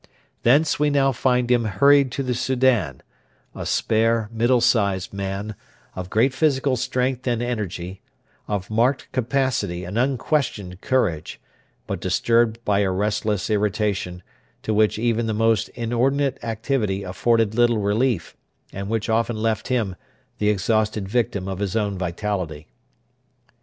Thence we now find him hurried to the Soudan a spare, middle sized man, of great physical strength and energy, of marked capacity and unquestioned courage, but disturbed by a restless irritation, to which even the most inordinate activity afforded little relief, and which often left him the exhausted victim of his own vitality.